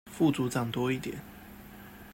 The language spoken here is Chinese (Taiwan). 副組長多一點